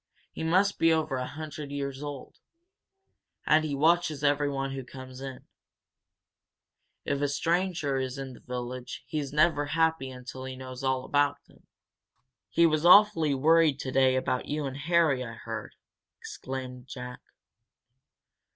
He must be over a hundred years old. And he watches everyone who comes in. If a stranger is in the village he's never happy until he knows all about him. He was awfully worried today about you and Harry, I heard," explained Jack.